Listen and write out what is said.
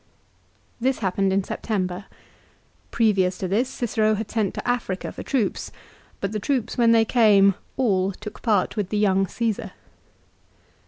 This happened in September. Previous to this Cicero had sent to Africa for troops ; but the troops when they came all took part with the young Caesar.